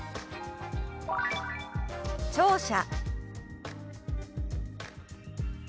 「聴者」。